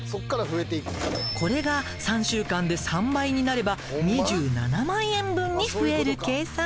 これが３週間で３倍になれば２７万円分に増える計算。